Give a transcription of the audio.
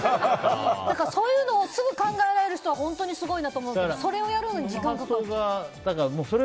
そういうのをすぐ考えられる人は本当にすごいなと思うけどそれをやるのに時間がかかりそう。